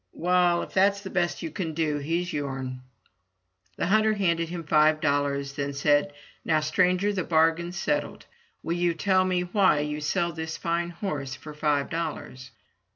Wall, if that's the best you can do, he's youm/' The hunter handed him five dollars, then said :" Now, stranger, the bargain's settled. Will you tell me why you sell this fine horse for five dollars?"